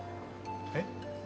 えっ？